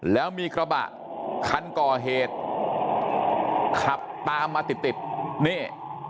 แล้วมีกระบะคันก่อเหตุขับตามมาติดติดนี่